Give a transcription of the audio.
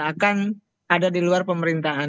akan ada di luar pemerintahan